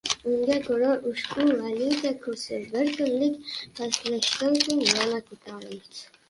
Unga ko‘ra, ushbu valyuta kursi bir kunlik pastlashdan so‘ng yana ko‘tarildi